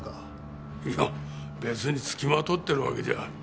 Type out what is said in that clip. いや別につきまとってるわけじゃ。